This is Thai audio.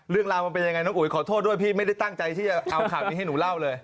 เรื่องราวมันเป็นยังไงน้องอุ๋ยขอโทษด้วยพี่ไม่ได้ตั้งใจที่จะเอาข่าวนี้ให้หนูเล่าเลย